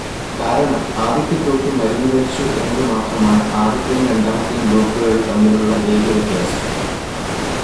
കാരണം, ആദ്യത്തെ ഗ്രൂപ്പ് മരുന്ന് കഴിച്ചു എന്നതുമാത്രമാണ് ആദ്യത്തെയും രണ്ടാമത്തെയും ഗ്രൂപ്പുകൾ തമ്മിലുള്ള ഏകവ്യത്യാസം.